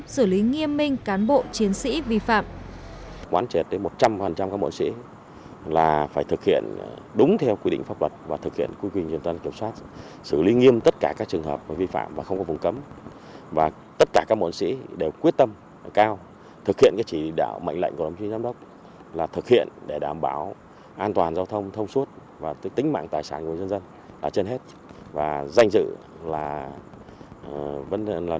xử lý nghiêm minh cán bộ chiến sĩ vi phạm